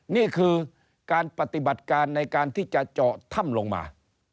นี่คือการปฏิบัติการในการที่จะเจาะถ้ำลงมา